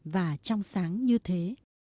và trong sáng như thế